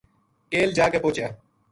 کیل جا کے پوہچیا